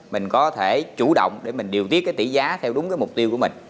mình có thể chủ động để mình điều tiết cái tỷ giá theo đúng cái mục tiêu của mình